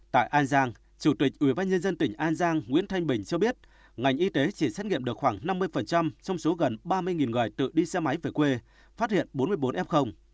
tại an giang chủ tịch ubnd tỉnh an giang nguyễn thanh bình cho biết ngành y tế chỉ xét nghiệm được khoảng năm mươi trong số gần ba mươi người tự đi xe máy về quê phát hiện bốn mươi bốn f